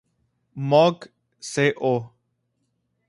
Moog Co.